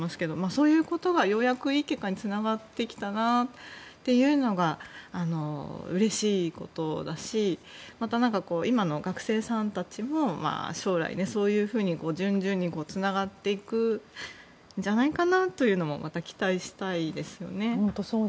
そういうことがようやくいい結果につながってきたなというのがうれしいことだしまた、今の学生さんたちも将来、そういうふうに順々につながっていくんじゃないかなというのもまた期待したいですよね。